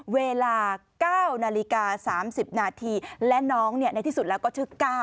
เวลา๙นาฬิกา๓๐นาทีและน้องในที่สุดแล้วก็ชื่อ๙